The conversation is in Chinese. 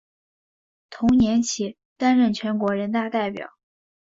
同年起担任全国人大代表。